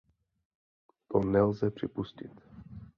To nelze připustit.